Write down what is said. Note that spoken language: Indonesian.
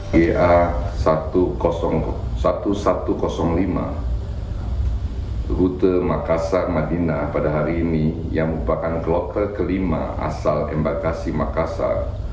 ga seribu satu ratus lima rute makassar madinah pada hari ini yang merupakan kloter kelima asal embakasi makassar